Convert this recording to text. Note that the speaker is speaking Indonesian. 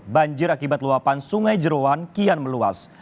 banjir akibat luapan sungai jerawan kian meluas